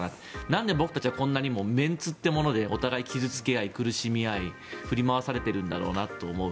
なんで僕たちはこんなにもメンツというものでお互いに傷付け合い苦しみ合い振り回されているんだろうなと。